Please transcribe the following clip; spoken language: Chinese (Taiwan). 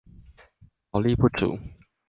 勞力不足